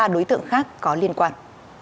ba đối tượng khác có liên quan